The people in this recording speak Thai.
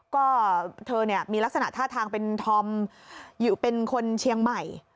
ก็เธอเนี่ยมีลักษณะท่าทางเป็นธอมอยู่เป็นคนเชียงใหม่